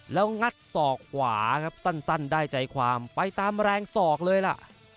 แล้วงัดศอกขวาครับสั้นได้ใจความไปตามแรงศอกเลยล่ะ